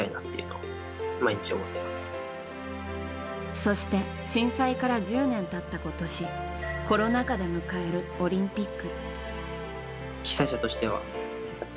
そして、震災から１０年経った今年コロナ禍で迎えるオリンピック。